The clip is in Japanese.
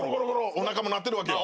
おなかも鳴ってるわけよ。